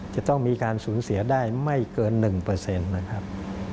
จะต้องมีการสูญเสียได้ไม่เกิน๑เปอร์เซ็นต์นะครับ